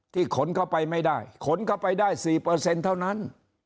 ที่ขนเข้าไปไม่ได้ขนเข้าไปได้สี่เปอร์เซ็นต์เท่านั้น